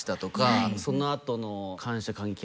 その後の。